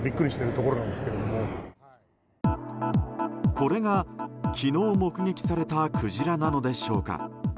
これが、昨日目撃されたクジラなのでしょうか。